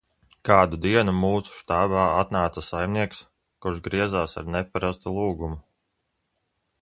Kādu dienu mūsu štābā atnāca saimnieks, kurš griezās ar neparastu lūgumu.